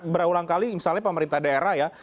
berulang kali misalnya pemerintah daerah ya